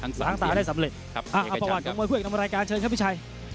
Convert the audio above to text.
หลังตาได้สำเร็จอาประวัติของมวยคุยกับรายการเชิญครับพี่ชัย